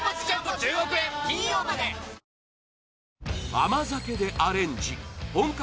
甘酒でアレンジ本格